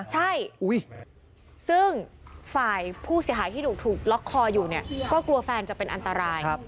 ใช่ซึ่งฝ่ายผู้เสียหายที่ถูกล็อกคออยู่เนี่ยก็กลัวแฟนจะเป็นอันตราย